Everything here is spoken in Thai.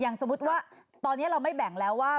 สมมุติว่าตอนนี้เราไม่แบ่งแล้วว่า